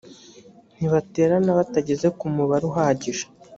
ntibaterana batageze ku mubare uhagije